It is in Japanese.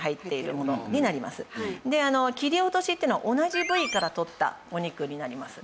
で切り落としっていうのは同じ部位から取ったお肉になります。